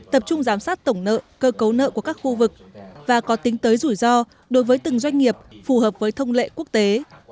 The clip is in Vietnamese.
tập trung giám sát tổng nợ cơ cấu nợ của các khu vực và có tính tới rủi ro đối với từng doanh nghiệp phù hợp với thông lệ quốc tế